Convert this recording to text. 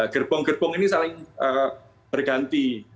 gerbong gerbong ini saling berganti